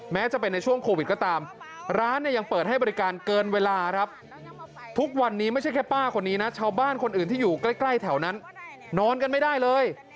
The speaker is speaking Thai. แม้จะเป็นในช่วงโควิดก็ตามร้านเนี่ยยังเปิดให้บริการเกินเวลาครับทุกวันนี้ไม่ใช่แค่ป้าคนนี้นะชาวบ้านคนอื่นที่อยู่ใกล้แถวนั้นนอนกันไม่ได้เลย